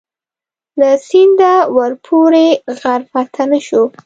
له سینده ورپورې غر فتح نه شو.